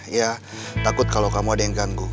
ya takut kalau kamu ada yang ganggu